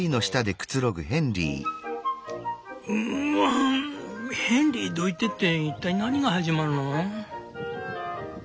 「ウーワン『ヘンリーどいて』って一体何が始まるの？」。